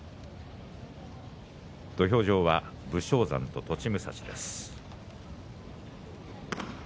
土俵上は武将山と栃武蔵です。